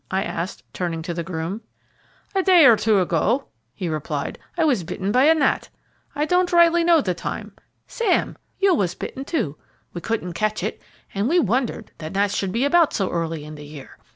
I asked, turning to the groom. "A day or two ago," he replied. "I was bitten by a gnat, I don't rightly know the time. Sam, you was bitten too. We couldn't catch it, and we wondered that gnats should be about so early in the year.